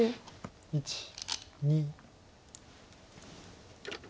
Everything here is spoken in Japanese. １２。